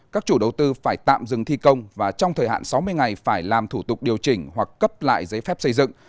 các chủ đầu tư phải tạm dừng thi công và trong thời hạn sáu mươi ngày phải làm thủ tục điều chỉnh hoặc cấp lại giấy phép xây dựng